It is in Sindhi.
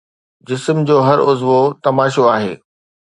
جسم جو هر عضوو تماشو آهي